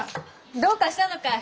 どうかしたのかい？